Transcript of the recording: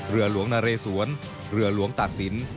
เรือหลวงนะเรสวนเหลือหลวงตัดสิน